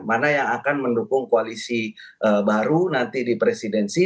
mana yang akan mendukung koalisi baru nanti di presidensi